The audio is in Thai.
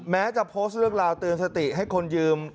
แม้จะโพสต์เรื่องราวเตือนสติให้คนยืม